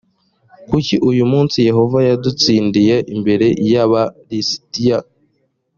kuki uyu munsi yehova yadutsindiye imbere y aba lisitiya